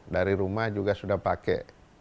dari rumah juga sudah pakai